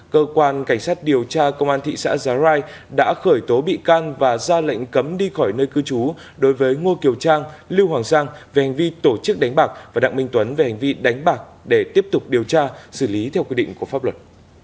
cơ quan cảnh sát điều tra công an thị xã giá rai đã khởi tố bị can và ra lệnh cấm đi khỏi nơi cư trú đối với ngô kiều trang lưu hoàng sang về hành vi tổ chức đánh bạc và đặng minh tuấn về hành vi đánh bạc để tiếp tục điều tra xử lý theo quy định của pháp luật